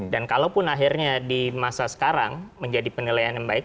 dan kalaupun akhirnya di masa sekarang menjadi penilaian yang baik